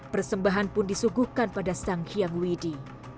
persembahan pun disuguhkan pada sang hyang widi